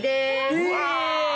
うわ！